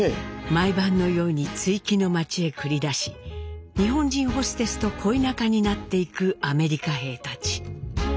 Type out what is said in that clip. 毎晩のように築城の街へ繰り出し日本人ホステスと恋仲になっていくアメリカ兵たち。